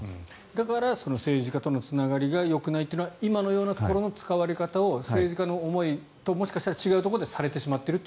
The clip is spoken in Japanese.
だから、政治家とのつながりがよくないというのは今のところのような使われ方を政治家の思いともしかしたら違うところでされてしまっていると。